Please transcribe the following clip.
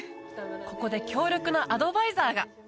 ここで強力なアドバイザーが！